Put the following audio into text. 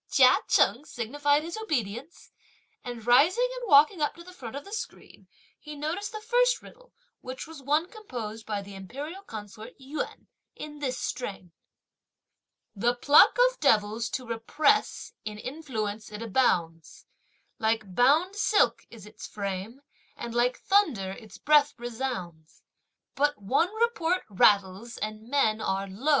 Chia Cheng signified his obedience, and rising and walking up to the front of the screen, he noticed the first riddle, which was one composed by the Imperial consort Yüan, in this strain: The pluck of devils to repress in influence it abounds, Like bound silk is its frame, and like thunder its breath resounds. But one report rattles, and men are lo!